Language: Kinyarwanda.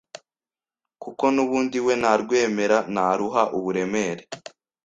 kuko n’ubundi we ntarwemera, ntaruha uburemere.